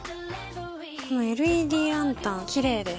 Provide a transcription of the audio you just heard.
このＬＥＤランタンキレイです